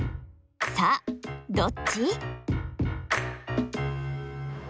さあどっち？